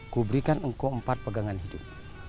kuberikan engkau empat pegangan hidup